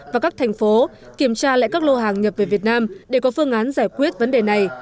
và các thành phố kiểm tra lại các lô hàng nhập về việt nam để có phương án giải quyết vấn đề này